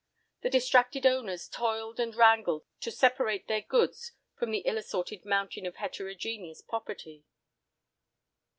The distracted owners toiled and wrangled to separate their goods from the ill assorted mountain of heterogeneous property.